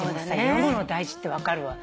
読むの大事って分かるわ。